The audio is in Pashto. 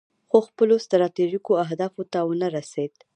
خو خپلو ستراتیژیکو اهدافو ته ونه رسید.